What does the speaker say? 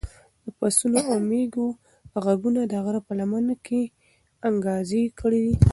د پسونو او مېږو غږونه د غره په لمنه کې انګازې کړې.